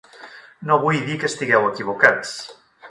No vull dir que estigueu equivocats.